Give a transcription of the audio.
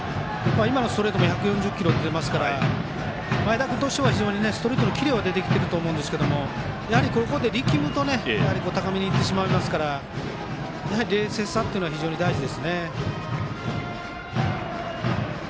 今のストレート１４０キロ出ていますから前田君としては非常にストレートのキレは出てきていると思いますがここで力むと高めにいってしまいますから冷静さというのは非常に大事です。